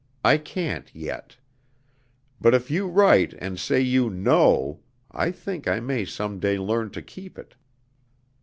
I can't, yet. But if you write and say you know, I think I may some day learn to keep it.